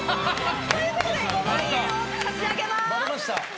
ということで５万円を差し上げます。